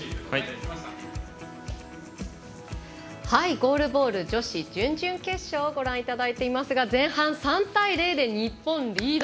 ゴールボール女子準々決勝をご覧にただいていますが前半３対０で日本リード。